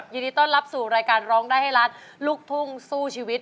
ยินดีต้อนรับสู่รายการร้องได้ให้ล้านลูกทุ่งสู้ชีวิต